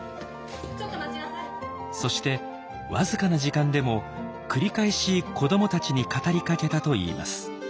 そしてわずかな時間でも繰り返し子どもたちに語りかけたといいます。